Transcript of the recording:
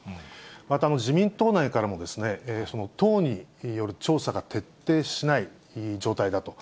また自民党内からも、その党による調査が徹底しない状態だと。